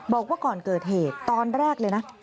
บอกว่าก่อนเกิดเหตุตอนแรกเลยนะ